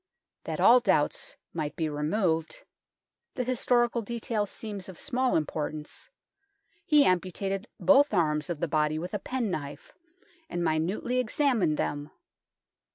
That all doubts might be removed the historical detail seems of small im portance he amputated both arms of the body with a penknife, and minutely examined them.